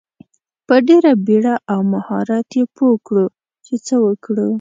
په ډیره بیړه او مهارت یې پوه کړو چې څه وکړو.